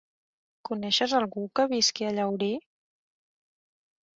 Coneixes algú que visqui a Llaurí?